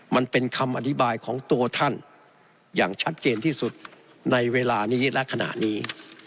มันเป็นคำอธิบายของตัวท่านอย่างชัดเจนที่สุดในเวลานี้และขณะนี้